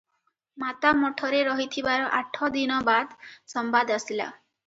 ମାତା ମଠରେ ରହିଥିବାର ଆଠ ଦିନ ବାଦ ସମ୍ବାଦ ଆସିଲା ।